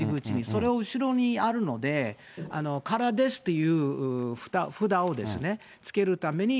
それを後ろにあるので、空ですという札をつけるために、